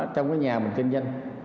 trong cái nhà mình kinh doanh